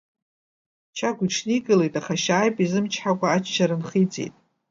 Чагә иҽникылеит, аха Шьааиб изымчҳакәа аччара нхиҵеит.